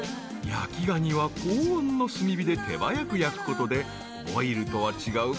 ［焼きガニは高温の炭火で手早く焼くことでボイルとは違う